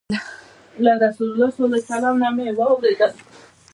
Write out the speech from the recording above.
له رسول الله صلى الله عليه وسلم نه مي واورېدل